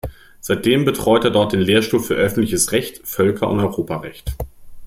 Seitdem betreut er dort den Lehrstuhl für Öffentliches Recht, Völker- und Europarecht.